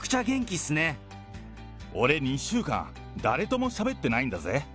俺、２週間、誰ともしゃべってないんだぜ。